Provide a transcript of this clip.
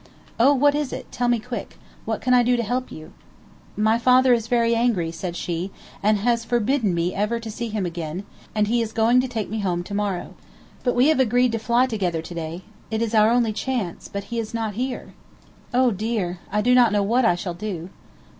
"Oh, what is it? Tell me quick. What can I do to help you?" "My father is very angry," said she, "and has forbidden me ever to see him again, and he is going to take me home to morrow. But we have agreed to fly together to day. It is our only chance, but he is not here. Oh, dear! I do not know what I shall do."